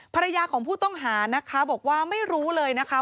ภรรยาของผู้ต้องหานะคะบอกว่าไม่รู้เลยนะคะ